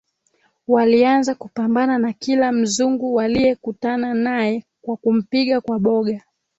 walianza kupambana na kila Mzungu waliyekutana naye kwa kumpiga kwa boga